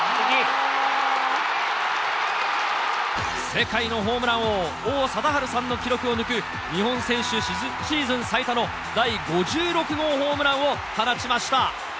世界のホームラン王、王貞治さんの記録を抜く、日本選手シーズン最多の第５６号ホームランを放ちました。